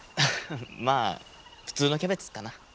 まあ普通のキャベツかな。